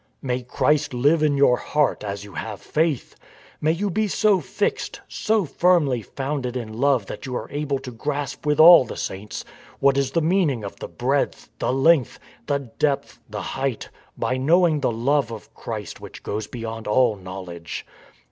" May Christ live in your heart as you have faith !" May you be so fixed, so firmly founded in love that you are able to grasp with all the saints, what is the meaning of the breadth, the length, the depth, the height, by knowing the love of Christ which goes beyond all knowledge.